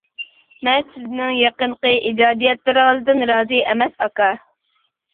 مەن سىزنىڭ يېقىنقى ئىجادىيەتلىرىڭىزدىن رازى ئەمەس ئاكا.